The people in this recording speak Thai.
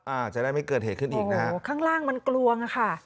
อาจจะได้ไม่เกิดเหตุขึ้นอีกนะฮะข้างล่างมันกลวงอ่ะค่ะ